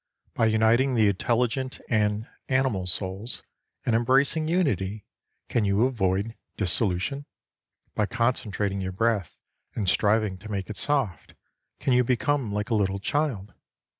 By uniting the intelligent and animal souls and embracing unity, can you avoid dissolution ? By concentrating your breath and striving to make it soft, can you become like a little child